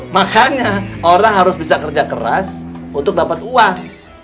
makanya orang harus bisa kerja keras untuk dapat uang